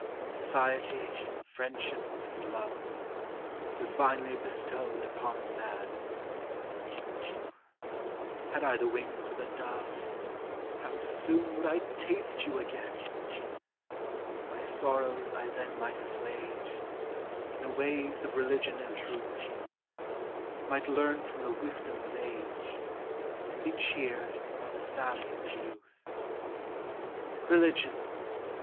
Society, friendship, and love, Divinely bestowed upon man ! O, had I the wings of a dove, How soon would I taste you again ! My sorrows I then might assuage In the ways of religion and truth, — Might learn from the wisdom of age, And be cheered by the sallies of youth. Religion